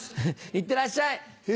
いってらっしゃい！